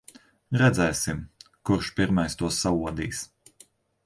Redzēsim, kurš pirmais to saodīs.